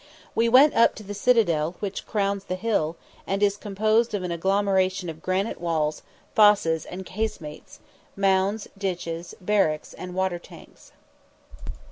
We went up to the citadel, which crowns the hill, and is composed of an agglomeration of granite walls, fosses, and casemates, mounds, ditches, barracks, and water tanks.